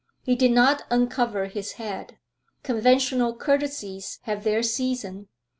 He did not uncover his head; conventional courtesies have their season.